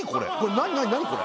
何これ？